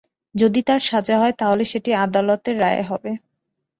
যদি তাঁর সাজা হয়, তাহলে সেটি আদালতের রায়ে হবে।